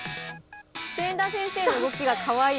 千田先生の動きがかわいい。